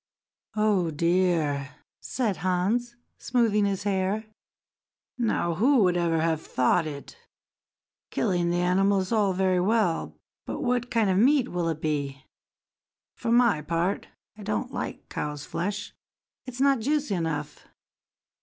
"Oh, dear!" said Hans, smoothing his hair. "Now who would ever have thought it! Killing the animal is all very well, but what kind of meat will it be? For my part, I don't like cow's flesh; it's not juicy enough.